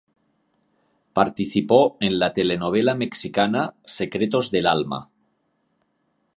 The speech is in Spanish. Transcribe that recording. Participó en la telenovela mexicana "Secretos del alma".